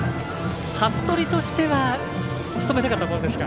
服部としてはしとめたかったボールですか。